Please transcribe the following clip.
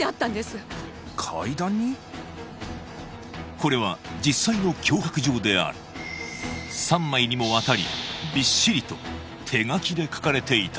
これは実際の脅迫状である３枚にもわたりびっしりと手書きで書かれていた